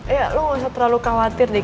eh lo gak usah terlalu khawatir deh